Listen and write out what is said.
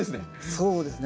そうですね。